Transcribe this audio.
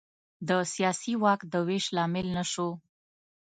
د سیاسي واک د وېش لامل نه شو.